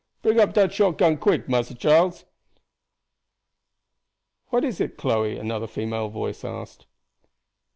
"Bring up dat shot gun quick, Massa Charles." "What is it, Chloe?" another female voice asked.